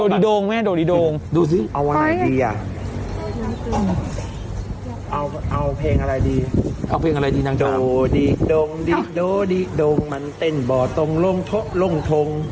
โดดิโดงแม่โดดิโดงเอาเพลงอะไรดีโดดิโดดิโดดิโดมันเต้นบ่อตงลงทงลงทง